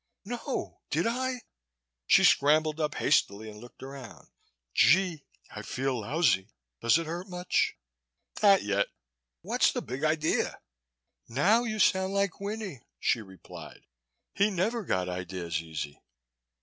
"No, did I?" She scrambled up hastily and looked around. "Gee, I feel lousy. Does it hurt much?" "Not yet. What's the big idea?" "Now you sound like Winnie," she replied. "He never got ideas easy.